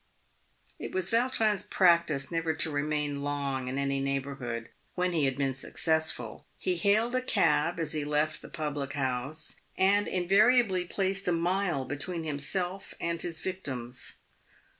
It was Vautrin's practice never to remain long in any neigh bourhood when he had been successful. He hailed a cab as he left the public house, and invariably placed a mile between himself and his victims.